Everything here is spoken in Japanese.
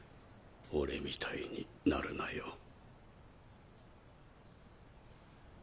俺みたいになるなよ。